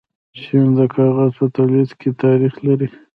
چین د کاغذ په تولید کې تاریخ لري.